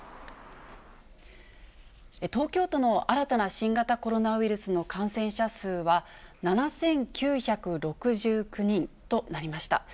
東京都の新たな新型コロナウイルスの感染者数は、７９６９人となりました。